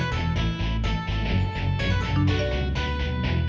tapi gak seneng ya jalan sama aku